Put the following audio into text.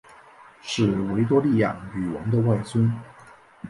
是维多利亚女王的外孙。